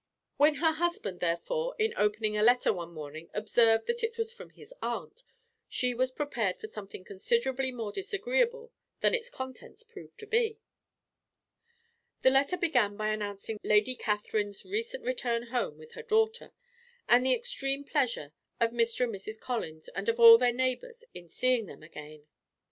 When her husband, therefore, in opening a letter one morning, observed that it was from his aunt, she was prepared for something considerably more disagreeable than its contents proved to be. The letter began by announcing Lady Catherine's recent return home with her daughter, and the extreme pleasure of Mr. and Mrs. Collins, and of all their neighbours, in seeing them again.